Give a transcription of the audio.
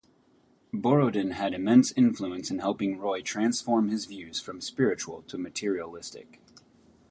Borodin had immense influence in helping Roy transform his views from spiritual to materialistic.